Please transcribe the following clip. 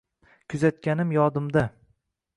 Kuzatganim yodimda.